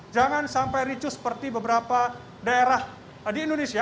jangan sampai ricu seperti beberapa daerah di indonesia